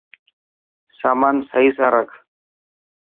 سامان سهي سان رک.